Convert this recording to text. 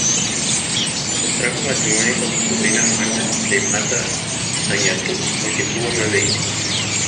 Contrajo matrimonio con su sobrina Juana de Matta Zañartu, con quien tuvo nueve hijos.